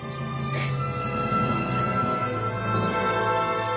フッ。